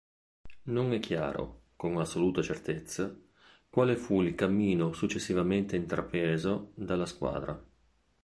Non è chiaro, con assoluta certezza, quale fu il cammino successivamente intrapreso dalla squadra.